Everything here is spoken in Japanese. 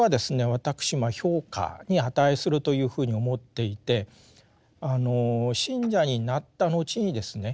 私評価に値するというふうに思っていて信者になった後にですね